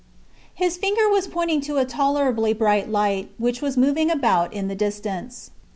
His finger was pointing to a tolerably bright light, which was moving about in the distance.